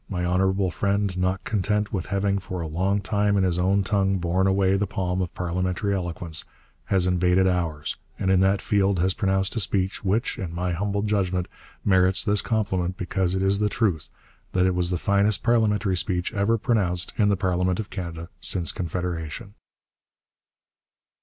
My honourable friend, not content with having for a long time in his own tongue borne away the palm of parliamentary eloquence, has invaded ours, and in that field has pronounced a speech, which, in my humble judgment, merits this compliment, because it is the truth, that it was the finest parliamentary speech ever pronounced in the parliament of Canada since Confederation.'